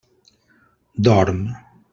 Dorm.